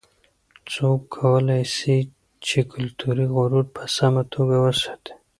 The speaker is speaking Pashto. څوک کولای سي چې کلتوري غرور په سمه توګه وساتي؟